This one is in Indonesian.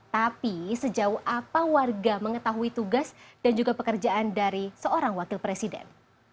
tapi sejauh apa warga mengetahui tugas dan juga pekerjaan dari seorang wakil presiden